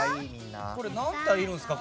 何体いるんですか？